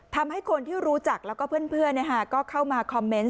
ทำให้คนที่รู้จักแล้วก็เพื่อนก็เข้ามาคอมเมนต์